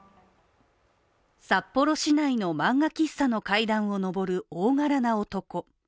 札幌市内の漫画喫茶の階段を上る大柄な男。